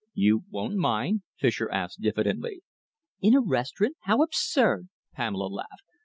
"You won't mind?" Fischer asked diffidently. "In a restaurant, how absurd!" Pamela laughed.